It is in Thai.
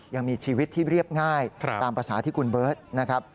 ยังมีชีวิตที่เรียบง่ายตามภาษาที่คุณเบิร์ตนะครับ